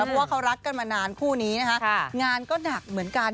เพราะว่าเขารักกันมานานคู่นี้นะคะงานก็หนักเหมือนกัน